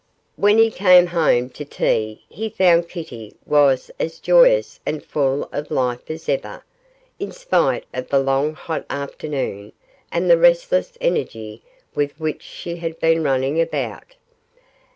When he came home to tea he found Kitty was as joyous and full of life as ever, in spite of the long hot afternoon and the restless energy with which she had been running about.